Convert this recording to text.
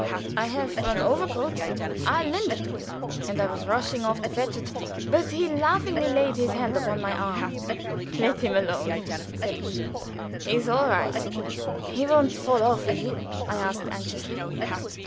"I have an overcoat. I'll lend it you." And I was rushing off to fetch it, but he laughingly laid his hand upon my arm. "Let him alone," said he; "he's all right." "He won't fall off, will he?" I asked, anxiously.